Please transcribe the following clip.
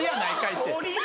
って。